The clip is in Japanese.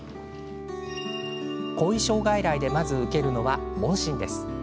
後遺症外来でまず受けるのは問診です。